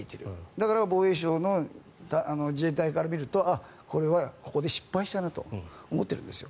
だから防衛省、自衛隊から見るとこれはここで失敗したなと思ってるんですよ。